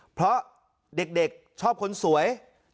เพราะเด็กชอบคนสวย